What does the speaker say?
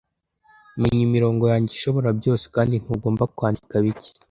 Menya imirongo yanjye ishobora byose kandi ntugomba kwandika bike,